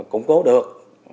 củng cố được